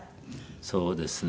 そうですね。